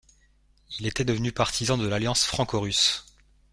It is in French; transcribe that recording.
Il était devenu partisan de l'alliance franco-russe.